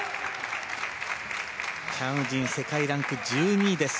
チャン・ウジン世界ランク１２位です。